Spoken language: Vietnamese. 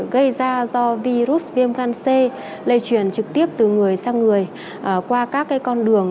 gây ra do virus viêm gan c lây truyền trực tiếp từ người sang người qua các con đường